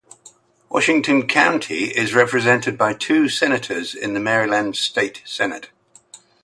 Washington County is represented by two senators in the Maryland State Senate.